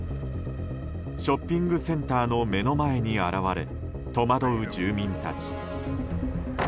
ショッピングセンターの目の前に現れ、戸惑う住民たち。